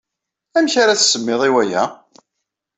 Amek ara as-tsemmiḍ i waya?